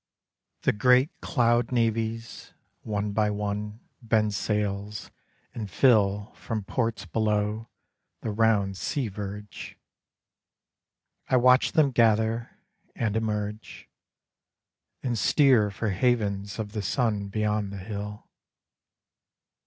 The great cloud navies, one by one, Bend sails and fill From ports below the round sea verge; I watch them gather and emerge, And steer for havens of the sun Beyond the hill.